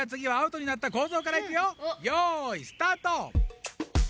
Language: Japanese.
よいスタート！